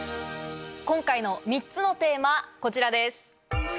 今回の３つのテーマこちらです。